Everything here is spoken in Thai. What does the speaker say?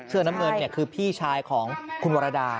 เสื้อน้ำเงินคือพี่ชายของคุณวรดา